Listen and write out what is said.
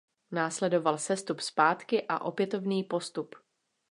Následoval sestup zpátky a opětovný postup.